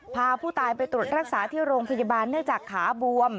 พาผู้ตายไปตรวจรักษาที่โรงพยาบาลเนื่องจากขาบวม